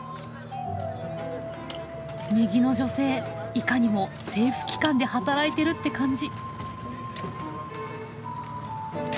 右の女性いかにも政府機関で働いてるって感じ。